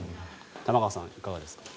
玉川さん、いかがですか？